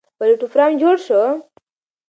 پلېټفارم جوړ شو.